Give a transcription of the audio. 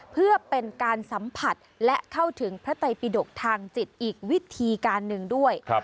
เพื่อเป็นการสัมผัสและเข้าถึงพระไตปิดกทางจิตอีกวิธีการหนึ่งด้วย